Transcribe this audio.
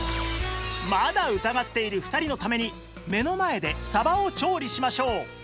まだ疑っている２人のために目の前でサバを調理しましょう